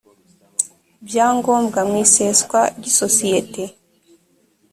bya ngombwa mu iseswa ry isosiyete